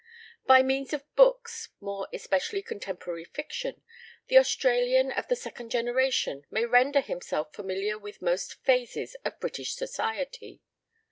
By means of books, more especially contemporary fiction, the Australian of the second generation may render himself familiar with most phases of British society.